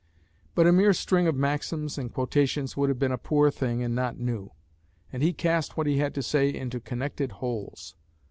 But a mere string of maxims and quotations would have been a poor thing and not new; and he cast what he had to say into connected wholes.